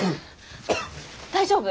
大丈夫？